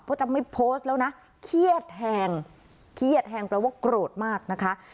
เพราะจะไม่โพสต์แล้วนะเครียดแทงเครียดแทงแปลว่าโกรธมากนะคะ